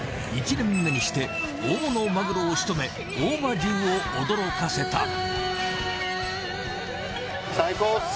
１年目にして大物マグロをしとめ大間中を驚かせた。